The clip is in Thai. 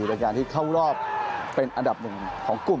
ในการที่เข้ารอบเป็นอันดับหนึ่งของกลุ่ม